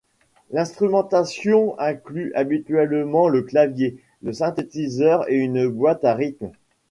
L'instrumentation inclut habituellement le clavier, le synthétiseur et une boîte à rythmes.